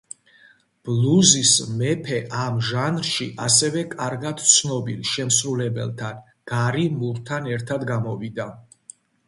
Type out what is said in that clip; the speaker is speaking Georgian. ბლუზის მეფე ამ ჟანრში ასევე კარგად ცნობილ შემსრულებელთან, გარი მურთან ერთად გამოვიდა.